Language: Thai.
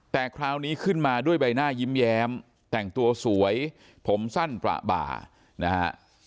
แต่คราวนี้ขึ้นมาด้วยใบหน้ายิ้มแย้มแต่งตัวสวยผมสั้นประบานะฮะ